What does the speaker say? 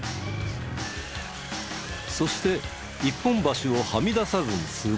そして一本橋をはみ出さずに通過する。